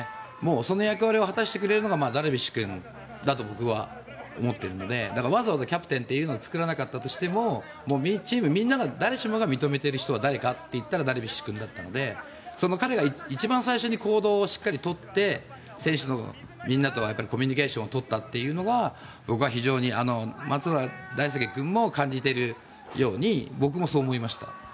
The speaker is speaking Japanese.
その役割を果たしてくれるのがダルビッシュ君だと僕は思ってるのでわざわざキャプテンというのを作らなかったとしてもチームみんなが誰しもが認めているのは誰かといったらダルビッシュ君だったのでその彼が一番最初に行動をしっかり取って選手のみんなとコミュニケーションを取ったというのが僕は非常に松坂大輔君も感じているように僕もそう思いました。